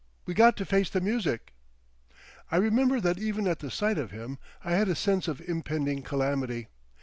"We got to face the music!" I remember that even at the sight of him I had a sense of impending calamity.